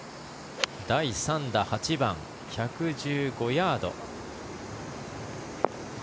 第３打、８番１１５ヤード。